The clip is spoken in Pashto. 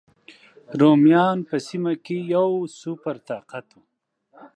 رومیان په سیمه کې یو سوپر طاقت و.